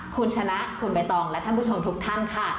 คุณชนะคุณใบตองและท่านผู้ชมทุกท่านค่ะ